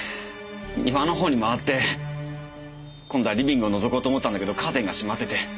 庭の方に回って今度はリビングをのぞこうと思ったんだけどカーテンが閉まってて。